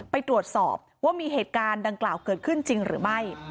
ไปตรวจสอบว่ามีเหตุการณ์ดังกล่าวเกิดขึ้นจริงหรือไม่